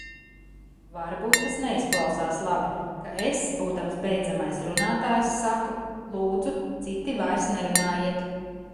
Varbūt tas neizklausās labi, ka es, būdams beidzamais runātājs, saku: lūdzu, citi vairs nerunājiet!